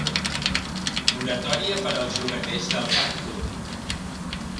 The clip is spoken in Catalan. Moratòria per als llogaters del parc públic.